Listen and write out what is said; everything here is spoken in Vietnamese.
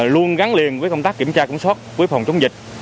luôn gắn liền với công tác kiểm tra cẩn xót với phòng chống dịch